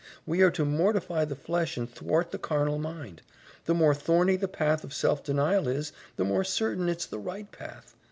We are to mortify the flesh and thwart the carnal mind. The more thorny the path of self denial is, the more certain it's the right path.